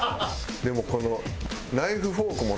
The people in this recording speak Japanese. でもこの。